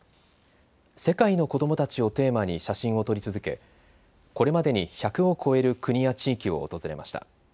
世界の子どもたちをテーマに写真を撮り続け、これまでに１００を超える国や地域を訪れました。